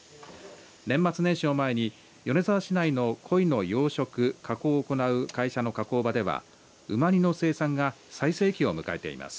年末年始を前に米沢市内のこいの養殖加工を行う会社の加工場ではうま煮の生産が最盛期を迎えています。